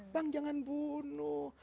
bang jangan bunuh